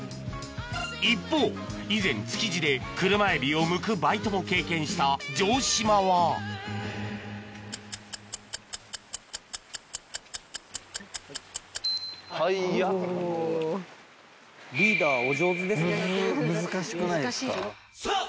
一方以前築地で車海老をむくバイトも経験した城島は・リーダーお上手ですね・難しくないですか？